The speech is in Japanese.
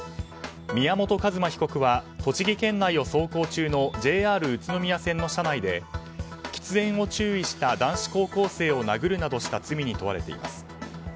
宮本一馬被告は栃木県内を走行中のＪＲ宇都宮線の車内で喫煙を注意した男子高校生を殴るなどした罪に問われています。